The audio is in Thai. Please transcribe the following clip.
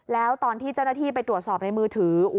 แล้วตอนที่เจ้าหน้าที่ไปตรวจสอบในมือถือ